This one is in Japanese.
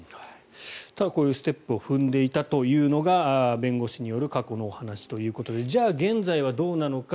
こういうステップを踏んでいたというのが弁護士による過去のお話ということでじゃあ現在はどうなのか。